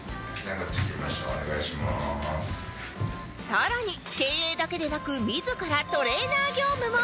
さらに経営だけでなく自らトレーナー業務も